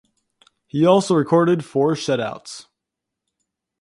He also recorded four shutouts.